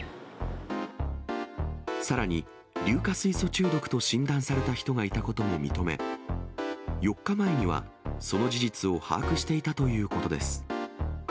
さらに、硫化水素中毒と診断された人がいたことも認め、４日前にはその事実を把握していたということです。